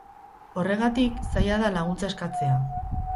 Horregatik, zaila da laguntza eskatzea.